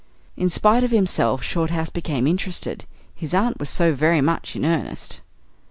In spite of himself Shorthouse became interested. His aunt was so very much in earnest.